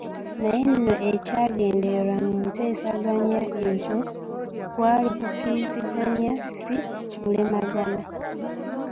Naye nno ekyagendererwa mu nteeseganya ezo kwali kukkiriziganya si kulemagana.